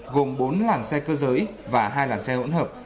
gồm bốn làng xe cơ giới và hai làng xe hỗn hợp